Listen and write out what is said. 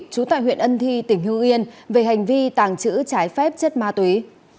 trú tại huyện ân thi tỉnh hương yên về hành vi tàng trữ trái phép chất ma túy